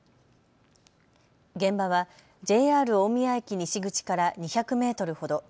現場はＪＲ大宮駅西口から２００メートルほど。